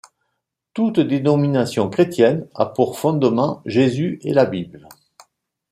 Toute dénomination chrétienne a pour fondement Jésus et la Bible.